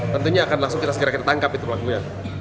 tentunya akan langsung kita segera kita tangkap itu pelakunya